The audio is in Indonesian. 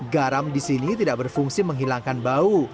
garam disini tidak berfungsi menghilangkan bau